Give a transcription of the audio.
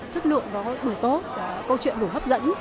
chất lượng nó đủ tốt câu chuyện đủ hấp dẫn